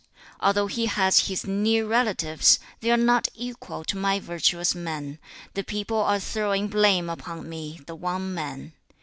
5. 'Although he has his near relatives, they are not equal to my virtuous men. The people are throwing blame upon me, the One man.'